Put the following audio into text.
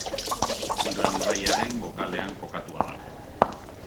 Ural ibaiaren bokalean kokatua dago.